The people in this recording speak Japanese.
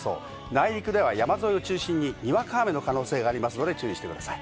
内陸では山沿いを中心ににわか雨の可能性がありますので注意してください。